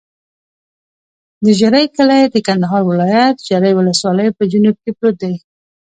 د ژرۍ کلی د کندهار ولایت، ژرۍ ولسوالي په جنوب کې پروت دی.